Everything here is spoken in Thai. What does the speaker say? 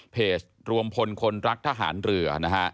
เพจรวมพลคนรักทหารเรือนะฮะ